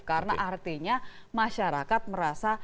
karena artinya masyarakat merasa